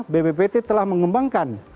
bppt telah mengembangkan